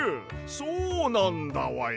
そうなんだわや！